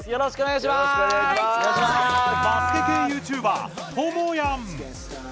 バスケ系ＹｏｕＴｕｂｅｒともやん。